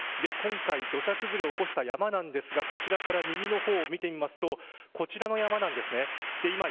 今回、土砂崩れを起こした山ですが、こちらから右の方を見てみますとこちらの山です。